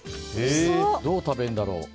どう食べるんだろ？